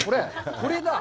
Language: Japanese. これだ。